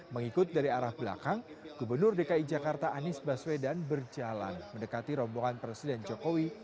mengikut dari arah belakang gubernur dki jakarta anies baswedan berjalan mendekati rombongan presiden jokowi